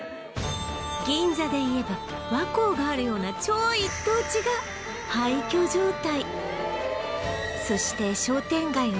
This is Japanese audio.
銀座でいえば和光があるような超一等地が廃墟状態